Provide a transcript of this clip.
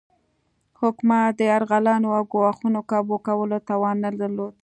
حکومت د یرغلونو او ګواښونو کابو کولو توان نه درلود.